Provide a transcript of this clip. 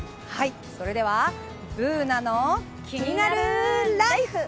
それでは、「ＢｏｏｎａのキニナルＬＩＦＥ」。